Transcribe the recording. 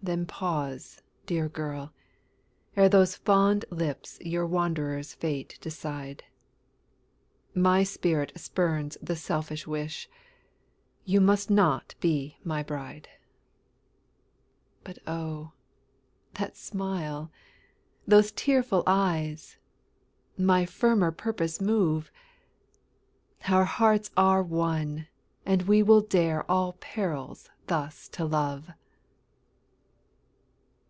Then pause, dear girl! ere those fond lips Your wanderer's fate decide; My spirit spurns the selfish wish You must not be my bride. But oh, that smile those tearful eyes, My firmer purpose move Our hearts are one, and we will dare All perils thus to love!